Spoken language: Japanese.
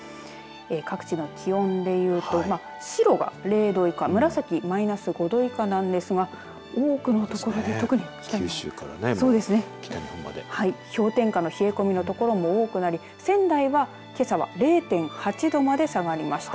各地の気温で言うと白が０度以下紫がマイナス５度以下ですが多くの所で氷点下の冷え込みの所も多くなり仙台は、けさは０．８度まで下がりました。